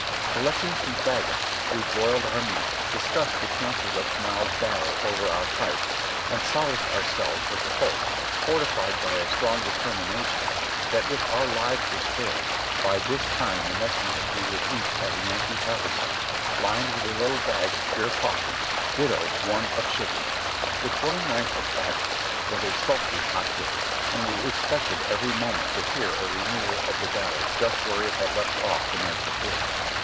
Collecting some fagots, we broiled our meat, discussed the chances of to morrow's battle over our pipes, and solaced our selves with the hope, fortified by a strong determination, that if our lives were spared, by this time the next night we would each have a Yankee haversack lined with a little bag of pure coffee; ditto, one of sugar. The twenty ninth of August was a sultry, hot day, and we ex pected every moment to hear a renewal of the battle just where it had left off the night before.